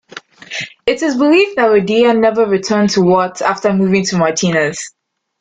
It is believed that Rodia never returned to Watts after moving to Martinez.